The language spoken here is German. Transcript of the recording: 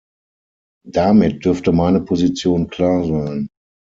Damit dürfte meine Position klar sein.